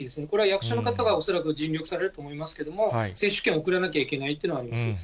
これは役所の方が恐らく尽力されると思いますけれども、接種券を送らなきゃいけないというのがあります。